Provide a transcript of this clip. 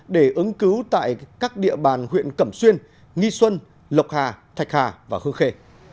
để ứng cứu tại các địa bàn huyện cẩm xuyên nghi xuân lộc hà thạch hà và khương khê